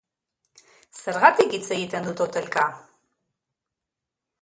Zergatik hitz egiten du totelka?